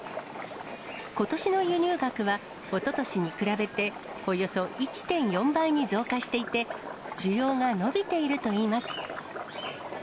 ことしの輸入額は、おととしに比べておよそ１．４倍に増加していて、需要が伸びているといいます。